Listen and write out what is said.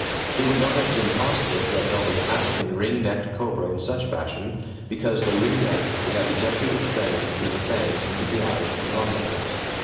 It would not have been possible to have held an African ring necked cobra in such fashion, because the ring neck would have ejected its venom through the fangs into the eyes of the onlookers.